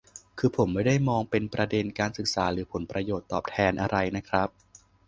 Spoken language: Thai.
คือผมไม่ได้มองเป็นประเด็นการศึกษาหรือผลประโยชน์ตอบแทนอะไรน่ะครับ